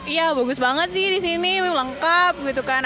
iya bagus banget sih di sini lengkap gitu kan